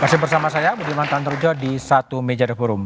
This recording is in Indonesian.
masih bersama saya budi mantan terja di satu meja the forum